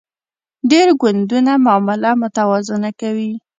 ډیر ګوندونه معامله متوازنه کوي